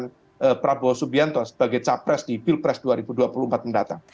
dan prabowo subianto sebagai capres di pilpres dua ribu dua puluh empat mendatang